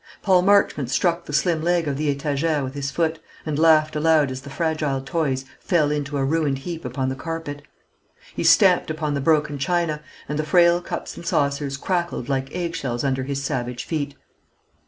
Paul Marchmont struck the slim leg of the étagère with his foot, and laughed aloud as the fragile toys fell into a ruined heap upon the carpet. He stamped upon the broken china; and the frail cups and saucers crackled like eggshells under his savage feet.